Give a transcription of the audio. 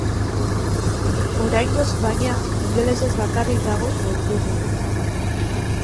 Oraingoz, baina, ingelesez bakarrik dago webgunea.